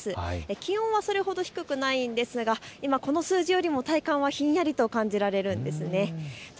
気温はそれほど低くないんですが今この数字よりは体感はひんやりと感じます。